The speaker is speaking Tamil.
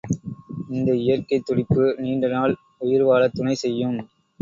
இந்த இயற்கைத் துடிப்பு நீண்டநாள் உயிர்வாழத்துணை செய்யும்.